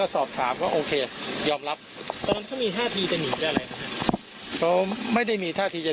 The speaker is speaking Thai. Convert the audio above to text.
ก็สอบถามเขาเอายอมรับมีหนีจะอะไรครับไม่ได้มีท่าที่จะ